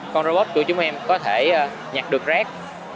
con robot của chúng em có thể nhặt được rác